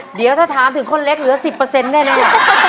เดี๋ยวถ้าถามถึงคนเล็กเหลือ๑๐ได้ไหมล่ะ